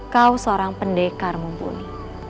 kau seorang pendekar mumpuni